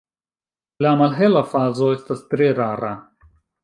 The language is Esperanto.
La malhela fazo estas tre rara.